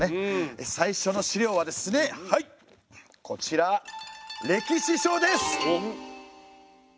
最初の資料はですねはいこちら歴史書です！